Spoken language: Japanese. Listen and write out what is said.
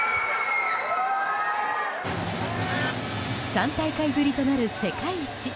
３大会ぶりとなる世界一。